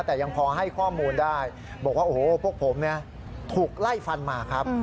แต่ยังพอให้ข้อมูลได้บอกว่าโอ้โหพวกผมถูกไล่ฟันมาครับ